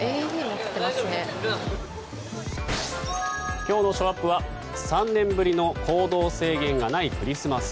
今日のショーアップは３年ぶりの行動制限がないクリスマス。